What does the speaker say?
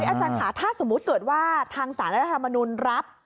อาจารย์ค่ะถ้าสมมุติเกิดว่าทางสารรัฐธรรมนุนรับ